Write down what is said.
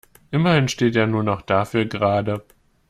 Immerhin steht er nun auch dafür gerade.